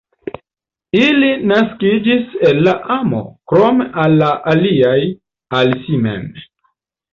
Ili naskiĝis el la amo, krom al la aliaj, al si mem.